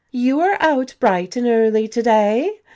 "You are out bright and early to day.